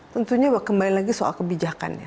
tentunya kembali lagi soal kebijakan ya